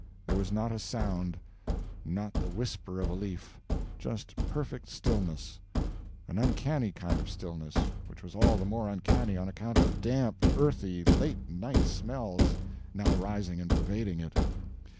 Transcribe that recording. There was not a sound, not the whisper of a leaf; just perfect stillness; an uncanny kind of stillness, which was all the more uncanny on account of the damp, earthy, late night smells now rising and pervading it.